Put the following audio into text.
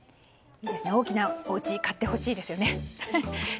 大きなおうちを買ってほしいですね。